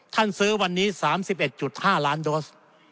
ซื้อวันนี้๓๑๕ล้านโดส